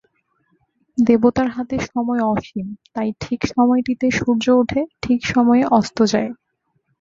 দেবতার হাতে সময় অসীম তাই ঠিক সময়টিতে সূর্য ওঠে, ঠিক সময়ে অস্ত যায়।